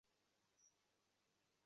এতো দেখি সত্যিকারের কুমির!